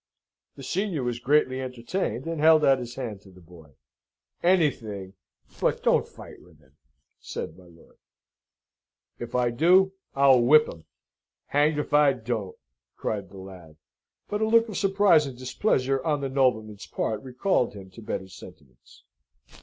The senior was greatly entertained, and held out his hand to the boy. "Anything, but don't fight with him," said my lord. "If I do, I'll whip him! hanged if I don't!" cried the lad. But a look of surprise and displeasure on the nobleman's part recalled him to better sentiments.